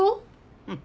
うん。